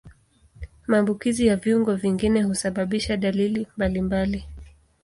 Maambukizi ya viungo vingine husababisha dalili mbalimbali.